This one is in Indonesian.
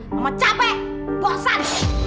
mama capek bosan